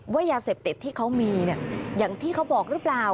ยาเสพติดที่เขามีอย่างที่เขาบอกหรือเปล่า